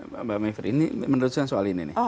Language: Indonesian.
mbak maifri ini menurut saya soal ini nih